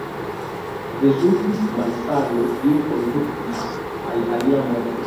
Rezultis malsano, kiu kondukis al lia morto.